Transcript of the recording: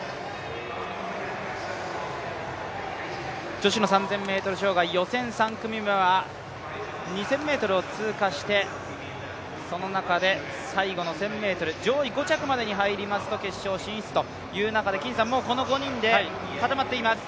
女子の３０００ｍ障害予選３組目は２０００ｍを通過してその中で最後の１０００ｍ、上位５着までに入りますと決勝進出という中で金さん、この５人で固まっています。